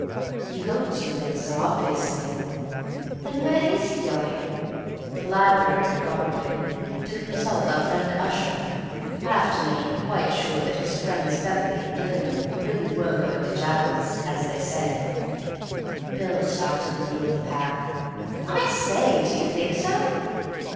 "He hoped you'd think so—obviously." "Then where is he going?" "The library, probably. To consult our friend Ussher. After making quite sure that his friends Beverley and Gillingham really were going to Jallands, as they said." Bill stopped suddenly in the middle of the path. "I say, do you think so?"